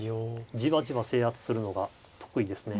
じわじわ制圧するのが得意ですね。